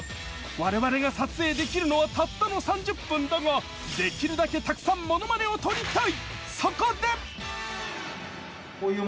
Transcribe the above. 我々が撮影できるのはたったの３０分だができるだけたくさんものまねを撮りたい！